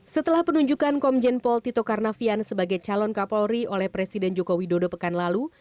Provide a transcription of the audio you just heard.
setelah penunjukan komjen pol tito karnavian sebagai calon kapolri oleh presiden joko widodo pekan lalu